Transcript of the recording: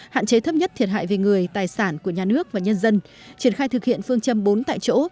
hạn chế thấp nhất thiệt hại về người tài sản của nhà nước và nhân dân triển khai thực hiện phương châm bốn tại chỗ